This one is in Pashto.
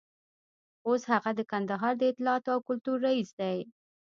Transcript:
اوس هغه د کندهار د اطلاعاتو او کلتور رییس دی.